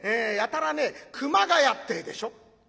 やたらね「くまがや」ってえでしょ。